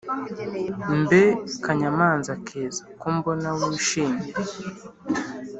mbe kanyamanza keza, ko mbona wishimye,…